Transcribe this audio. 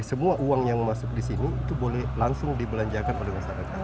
semua uang yang masuk di sini itu boleh langsung dibelanjakan oleh masyarakat